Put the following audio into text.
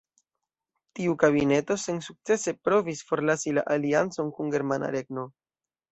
Tiu kabineto sensukcese provis forlasi la aliancon kun Germana Regno.